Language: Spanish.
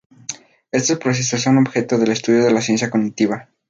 Estos procesos son objeto de estudio de la ciencia cognitiva.